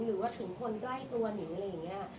หรือว่าถึงคนใกล้ตัวหนิงอะไรอย่างนี้